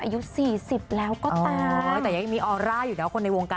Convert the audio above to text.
คุณผู้ชมไม่เจนเลยค่ะถ้าลูกคุณออกมาได้มั้ยคะ